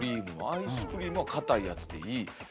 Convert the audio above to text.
アイスクリームはかたいやつでいい。